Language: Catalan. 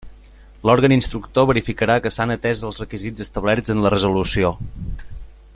L'òrgan instructor verificarà que s'han atés els requisits establerts en la resolució.